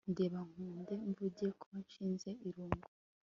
ndeba nkunde mvuge ko nshize irungu